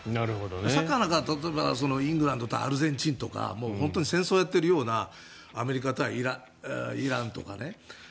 サッカーなんかだと例えばイングランドとアルゼンチンとか本当に戦争をやってるようなアメリカ対イランとかね。